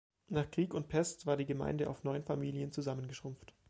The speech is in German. Nach Krieg und Pest war die Gemeinde auf neun Familien zusammengeschrumpft.